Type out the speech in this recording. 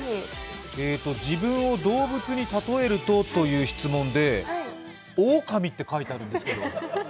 自分を動物に例えると？という質問で、おおかみって書いてあるんですけど。